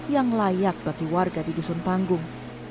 yang layak bagi warga di dusun panggung